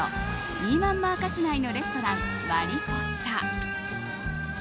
ニーマン・マーカス内のレストラン、マリポサ。